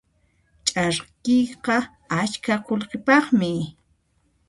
Ch'arkiyqa askha qullqipaqmi.